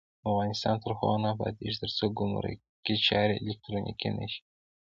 افغانستان تر هغو نه ابادیږي، ترڅو ګمرکي چارې الکترونیکي نشي.